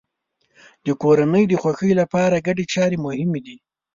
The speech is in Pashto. د کورنۍ د خوښۍ لپاره ګډې چارې مهمې دي.